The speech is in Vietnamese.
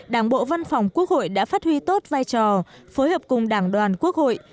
đảng bộ văn phòng quốc hội đã phát huy tốt vai trò phối hợp cùng đảng đoàn quốc hội